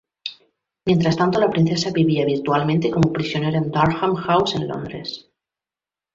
Mientras tanto, la princesa vivía virtualmente como prisionera en Durham House en Londres.